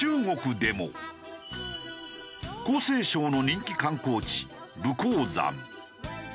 江西省の人気観光地武功山。